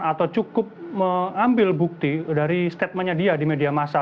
atau cukup mengambil bukti dari statementnya dia di media masa